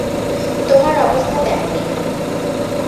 তোমার অবস্থা তেমনি।